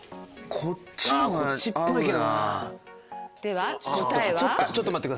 こっちも。